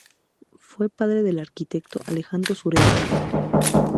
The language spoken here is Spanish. Fue padre del arquitecto Alejandro Sureda.